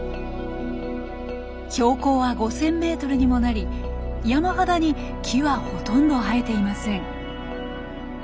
標高は５，０００メートルにもなり山肌に木はほとんど生えていません。